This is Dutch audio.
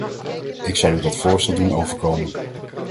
Ik zal u dat voorstel doen overkomen.